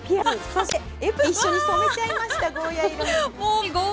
そしてエプロンまで一緒に染めちゃいました。